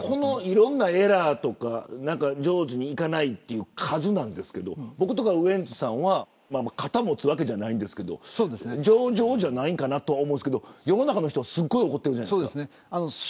いろんなエラーとか上手にいかない数なんですけど僕とかウエンツさんは肩を持つわけじゃないけど上々じゃないかと思うんですけど世の中の人すごい怒ってるじゃないですか。